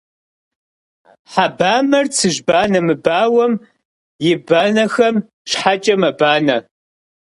Хьэ бамэр цыжьбанэ мыбауэм и банэхэм щхьэкӏэ мэбанэ.